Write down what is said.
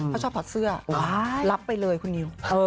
เขาชอบถอดเสื้อรับไปเลยคุณนิว